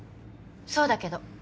そうだけど。